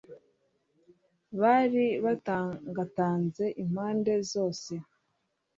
Bari bantangatanze impande zose